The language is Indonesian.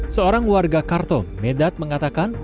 seorang warga khartoum medat mengatakan